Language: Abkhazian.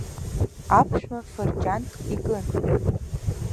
Аԥшәма фырџьанк икын.